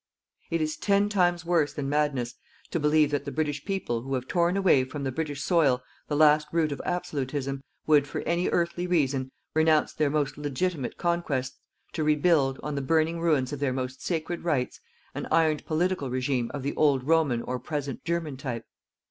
It is ten times worse than madness to believe that the British people who have torn away from the British soil the last root of ABSOLUTISM, would, for any earthly reason, renounce their most legitimate conquests, to rebuild, on the burning ruins of their most sacred rights, an ironed political regime of the old Roman or present German type!